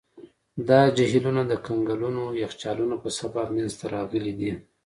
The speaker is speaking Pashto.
دا جهیلونه د کنګلونو یخچالونو په سبب منځته راغلي دي.